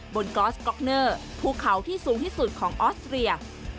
กอสก๊อกเนอร์ภูเขาที่สูงที่สุดของออสเตรีย